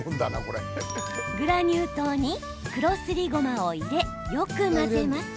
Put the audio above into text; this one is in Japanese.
グラニュー糖に黒すりごまを入れよく混ぜます。